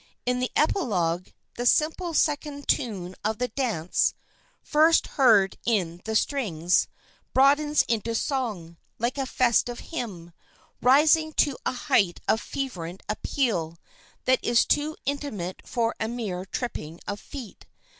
In the epilogue "the simple second tune of the dance [first heard in the strings] broadens into song, like a festive hymn, rising to a height of fervent appeal, that is too intimate for a mere tripping of feet....